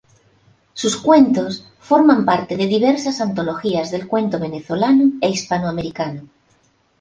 Sus cuentos forman parte de diversas antologías del cuento venezolano e hispanoamericano.